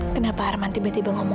kenapa arman tiba tiba ngomong